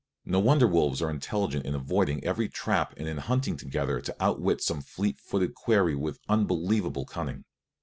No wonder wolves are intelligent in avoiding every trap and in hunting together to outwit some fleet footed quarry with unbelievable cunning.